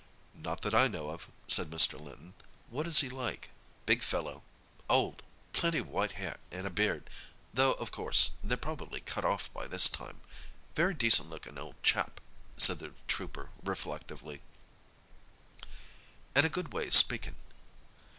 "Not that I know of," said Mr. Linton. "What is he like?" "Big fellow—old—plenty of white hair and beard, though, of course, they're probably cut off by this time. Very decent looking old chap," said the trooper reflectively—"an' a good way of speakin'."